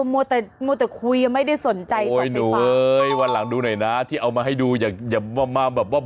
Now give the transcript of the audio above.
ขอภัยคุณชนะก็อยากจะบอกให้ทุกคนพลาดได้